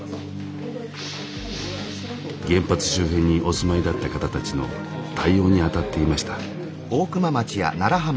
原発周辺にお住まいだった方たちの対応にあたっていました。